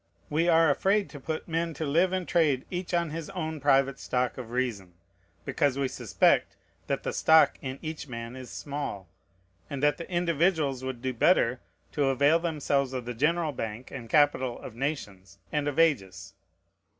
We are afraid to put men to live and trade each on his own private stock of reason; because we suspect that the stock in each man is small, and that the individuals would do better to avail themselves of the general bank and capital of nations and of ages.